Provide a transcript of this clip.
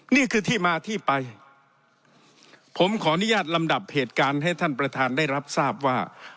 นี่คือที่มาที่ไปผมขออนุญาตลำดับเหตุการณ์ให้ท่านประธานได้รับทราบว่า